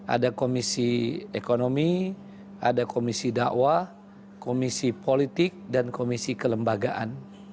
ada komisi ekonomi ada komisi dakwah komisi politik dan komisi kelembagaan